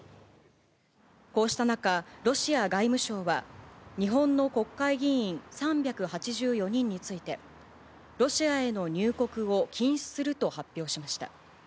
こうした中、ロシア外務省は、日本の国会議員３８４人について、ロシアへの入国を禁止すると発表しました。